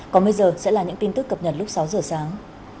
còn bây giờ sẽ là những tin tức cập nhật lúc sáu giờ sáng